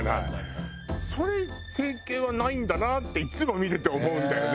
それ整形はないんだなっていつも見てて思うんだよね。